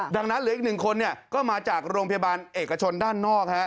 ดังนั้นเหลืออีก๑คนก็มาจากโรงพยาบาลเอกชนด้านนอก